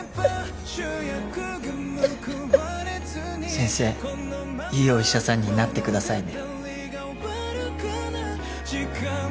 先生いいお医者さんになってくださいね。